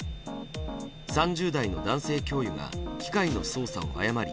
３０代の男性教諭が機械の操作を誤り